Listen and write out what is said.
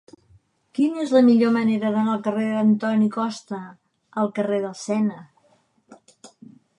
Quina és la millor manera d'anar del carrer d'Antoni Costa al carrer del Sena?